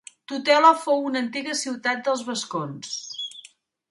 Tutela fou una antiga ciutat dels vascons.